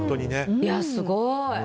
すごい。